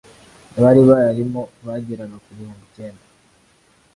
abari bayarimo bageraga ku bihumbi icyenda.